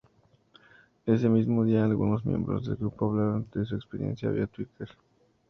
Ese mismo día, algunos miembros del grupo hablaron de su experiencia vía Twitter.